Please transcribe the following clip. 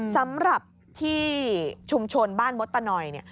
สำหรับที่ชุมชนบ้านมตตนอย